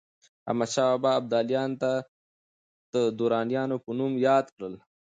احمدشاه بابا ابداليان د درانیانو په نوم ياد کړل.